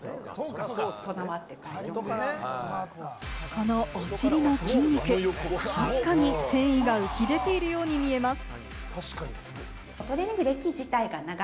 このお尻の筋肉、確かに繊維が浮き出ているように見えます。